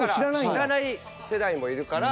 知らない世代もいるから。